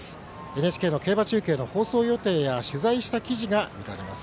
ＮＨＫの競馬中継の放送予定や取材した記事が見られます。